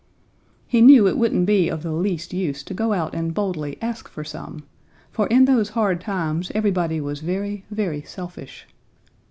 He knew it wouldn't be of the least use to go out and boldly ask for some, for in those hard times everybody was very, very selfish.